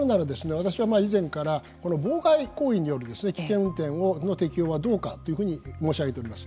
私はまあ以前からこの妨害行為による危険運転の適用はどうかというふうに申し上げております。